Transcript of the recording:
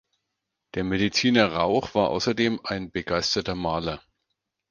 Der Mediziner Rauch war außerdem ein begeisterter Maler.